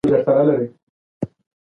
دا زموږ رسالت دی.